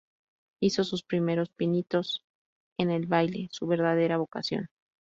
Hizo sus primeros pinitos en el baile, su verdadera vocación.